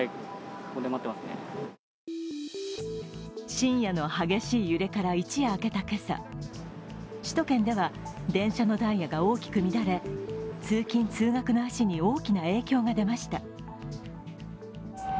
深夜の激しい揺れから一夜明けた今朝、首都圏では電車のダイヤが大きく乱れ通勤・通学の足に大きな影響が出ました。